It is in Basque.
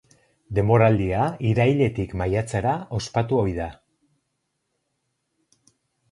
Denboraldia irailetik maiatzera ospatu ohi da.